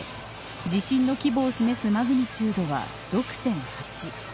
地震の規模を示すマグニチュードは６．８。